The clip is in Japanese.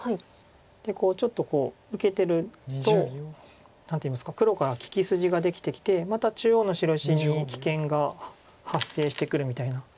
でちょっと受けてると何ていいますか黒から利き筋ができてきてまた中央の白石に危険が発生してくるみたいな。